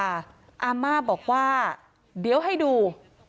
อาม่าบอกว่าเดี๋ยวให้ดู